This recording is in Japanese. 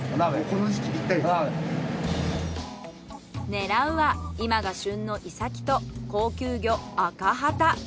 狙うは今が旬のイサキと高級魚アカハタ。